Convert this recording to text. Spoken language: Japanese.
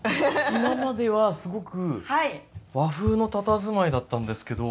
今まではすごく和風のたたずまいだったんですけど。